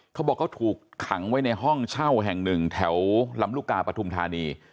เขาบอกเขาถูกขังไว้ในห้องเช่าแห่งหนึ่งแถวลำลูกกาปฐุมธานี